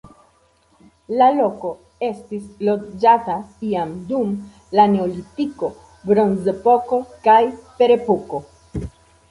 La loko estis loĝata jam dum la neolitiko, bronzepoko kaj ferepoko.